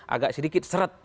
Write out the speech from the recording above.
agak sedikit seret